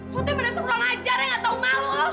lo tuh emang dasar pulang aja ra gak tau malu